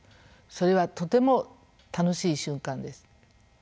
それはとても楽しい瞬間です。